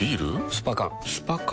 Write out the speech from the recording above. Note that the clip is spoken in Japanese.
スパ缶スパ缶？